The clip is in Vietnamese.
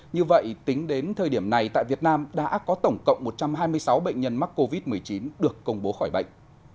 như vậy tính đến thời điểm này tại việt nam đã có tổng cộng một trăm hai mươi sáu bệnh nhân mắc covid một mươi chín được công bố khỏi bệnh